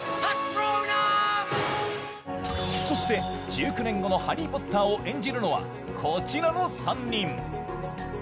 そして１９年後のハリー・ポッターを演じるのはこちらの３人。